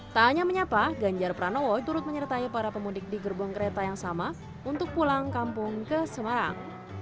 tak hanya menyapa ganjar pranowo turut menyertai para pemudik di gerbong kereta yang sama untuk pulang kampung ke semarang